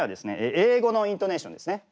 英語のイントネーションですね。